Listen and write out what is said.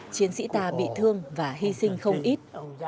chiến sĩ ta bị thương và hy sinh không ít